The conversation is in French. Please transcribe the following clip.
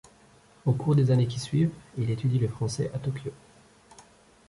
Au cours des années qui suivent, il étudie le français à Tokyo.